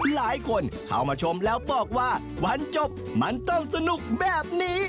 หลายคนเข้ามาชมแล้วบอกว่าวันจบมันต้องสนุกแบบนี้